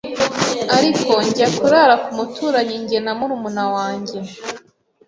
ariko njya kurara ku muturanyi njye na murumuna wanjye